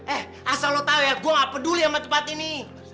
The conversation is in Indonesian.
eh asal lo tau ya gue gak peduli sama tempat ini